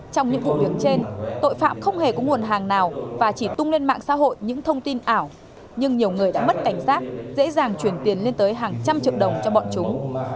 trong những vụ việc trên tội phạm không hề có nguồn hàng nào và chỉ tung lên mạng xã hội những thông tin ảo nhưng nhiều người đã mất cảnh giác dễ dàng chuyển tiền lên tới hàng trăm triệu đồng cho bọn chúng